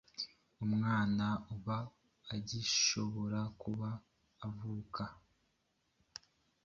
umwana aba agishobora kuba yavuka